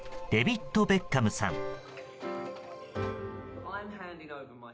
デビッド・ベッカムさん。